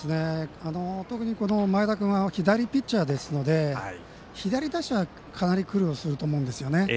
特に、前田君は左ピッチャーですので左打者、かなり苦労すると思うんですよね。